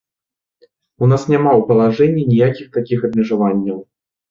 У нас няма ў палажэнні ніякіх такіх абмежаванняў.